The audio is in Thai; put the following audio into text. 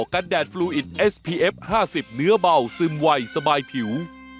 กาแดดฟลวยดเอสพีเอฟห้าสิบเนื้อเบาซึมไหวสบายผิว